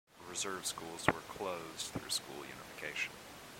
Reserve schools were closed through school unification.